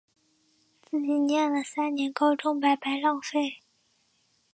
自己念了三年高中白白浪费